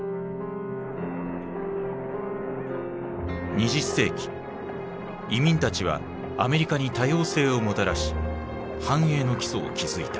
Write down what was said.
２０世紀移民たちはアメリカに多様性をもたらし繁栄の基礎を築いた。